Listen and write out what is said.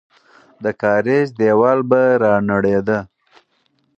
د کارېز دیوال به رانړېده.